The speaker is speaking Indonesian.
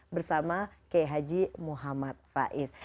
bersama k h muhammad faiz